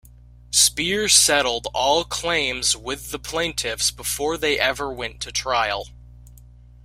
Speer settled all claims with the Plaintiffs before they ever went to trial.